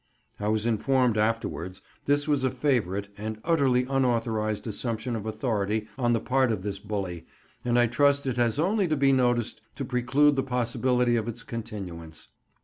I was informed afterwards this was a favourite and utterly unauthorized assumption of authority on the part of this bully, and I trust it has only to be noticed to preclude the possibility of its continuance.